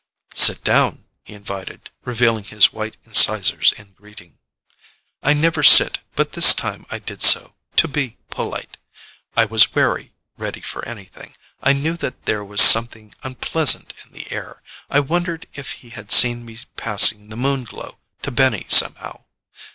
"Sit down," he invited, revealing his white incisors in greeting. I never sit, but this time I did so, to be polite. I was wary; ready for anything. I knew that there was something unpleasant in the air. I wondered if he had seen me passing the Moon Glow to Benny somehow.